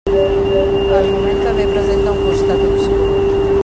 El moment també presenta un costat obscur.